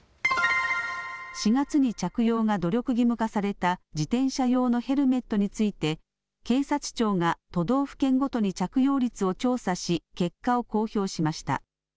４月に着用が努力義務化された自転車用のヘルメットについて警察庁が都道府県ごとに着用率を調査し結果を公表しました。